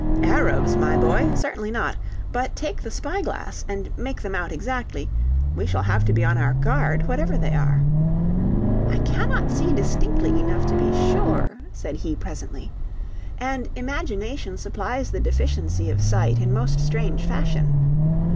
"Arabs my boy! certainly not; but take the spyglass and make them out exactly. We shall have to be on our guard, whatever they are!" "I cannot see distinctly enough to be sure," said he presently, "and imagination supplies the deficiency of sight in most strange fashion.